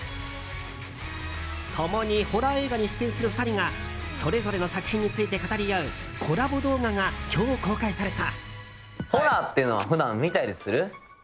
共にホラー映画に出演する２人がそれぞれの作品について語り合うコラボ動画が今日公開された。